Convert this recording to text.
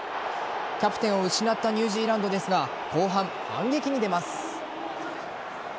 キャプテンを失ったニュージーランドですが後半、反撃に出ます。